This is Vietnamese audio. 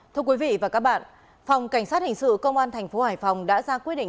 thưa quý vị và các bạn phòng cảnh sát hình sự công an thành phố hải phòng đã ra quyết định